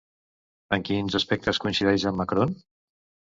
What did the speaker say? En quins aspectes coincideix amb Macron?